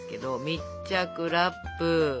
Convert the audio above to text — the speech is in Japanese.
密着ラップ。